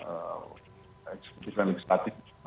eksekutif dan administratif